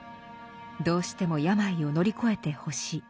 どうしても病を乗り越えてほしい。